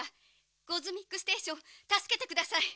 ゴズミックステーションたすけてください！」。